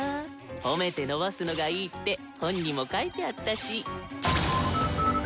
褒めて伸ばすのがいいって本にも書いてあったし。